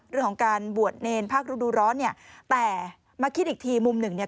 เรื่องของการบวชเนรภาคฤดูร้อนเนี่ยแต่มาคิดอีกทีมุมหนึ่งเนี่ย